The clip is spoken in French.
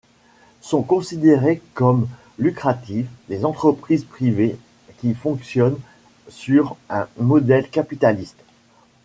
Sont considérées comme lucratives, les entreprises privées qui fonctionnent sur un modèle capitaliste.